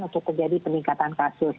untuk terjadi peningkatan kasus